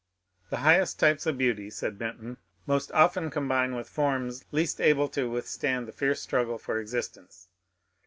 The highest types of beauty, said Benton, most often combine with forms least able to withstand the fierce struggle for existence.